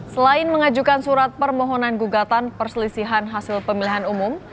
selain mengajukan surat permohonan gugatan perselisihan hasil pemilihan umum